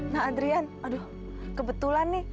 nah adrian aduh kebetulan nih